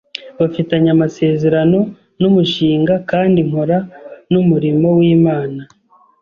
bafitanye amasezerano n’umushinga kandi nkora n’umurimo w’Imana